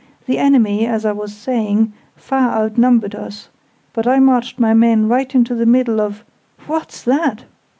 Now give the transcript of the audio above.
"The enemy, as I was saying, far outnumbered us: but I marched my men right into the middle of what's that?"